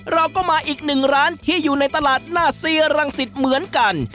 เราก็มาอีกหนึ่งร้านที่อยู่ในตลาดหน้าซีรังสิตเหมือนกัน